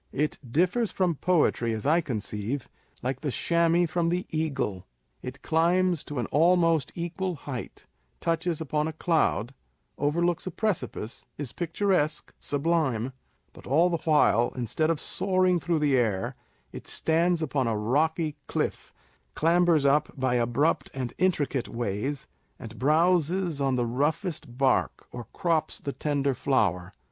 It differs from poetry, as I con ceive, like the chamois from the eagle : it climbs to an almost equal height, touches upon a cloud, overlooks a precipice, is picturesque, sublime â€" but all the while, instead of soaring through the air, it stands upon a rocky cliff, clambers up by abrupt and intricate ways, and browzes on the roughest bark, or crops the tender flower.